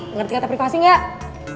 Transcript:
ngerti kata privasi gak